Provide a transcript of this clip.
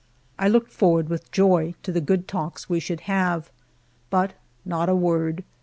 I looked forward with joy to the good talks we should have. But not a word.